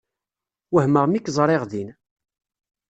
Wehmeɣ mi k-ẓriɣ din.